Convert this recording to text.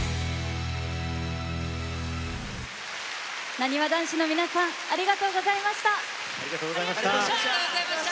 なにわ男子の皆さんありがとうございました。